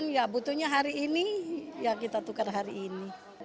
ya butuhnya hari ini ya kita tukar hari ini